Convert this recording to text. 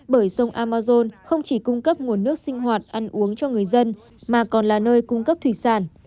bởi sông amazon không chỉ cung cấp nguồn nước sinh hoạt ăn uống cho người dân mà còn là nơi cung cấp thủy sản